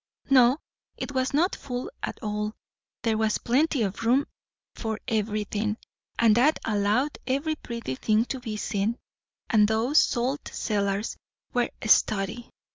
"No, it was not full at all; there was plenty of room for everything, and that allowed every pretty thing to be seen. And those salt cellars were a study.